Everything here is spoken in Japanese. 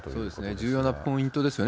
重要なポイントですよね。